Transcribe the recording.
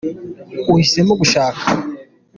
Uhisemo gushaka